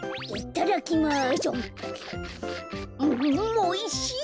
おいしい。